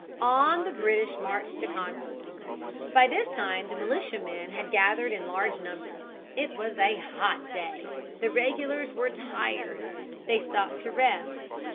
On the British marched to Concord. By this time the militiamen had gathered in large numbers. It was a hot day. The regulars were tired. They stopped to rest.